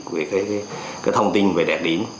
về cái thông tin về đẹp điểm